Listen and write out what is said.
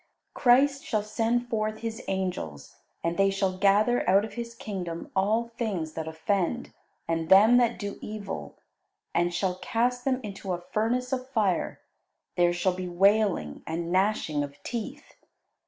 Christ shall send forth His angels, and they shall gather out of His Kingdom all things that offend and them that do evil, and shall cast them into a furnace of fire; there shall be wailing and gnashing of teeth.